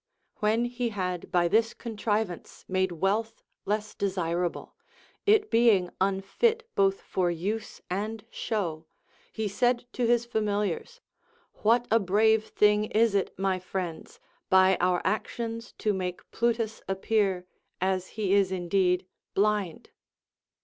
When he had by this contrivance made wealth less desirable, it being unfit both for use and show, he said to his familiars, What a brave thing is it, my friends, by our actions to make Plutus appear (as he is indeed) blind